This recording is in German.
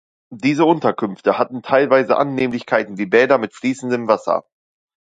Diese Unterkünfte hatten teilweise Annehmlichkeiten wie Bäder mit fließendem Wasser.